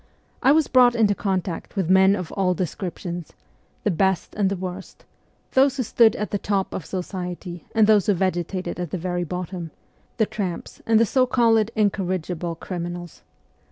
I was brought into contact with men of all descriptions : the best and the worst ; those who stood at the top of society and those who vegetated at the very bottom the tramps and the so called incorrigible criminals.